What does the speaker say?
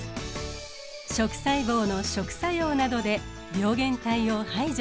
食細胞の食作用などで病原体を排除します。